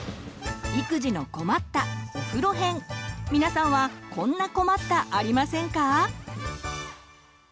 皆さんはこんな困ったありませんか？